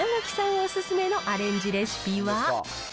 お勧めのアレンジレシピは。